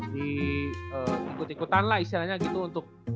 di ikutan ikutan lah istilahnya gitu untuk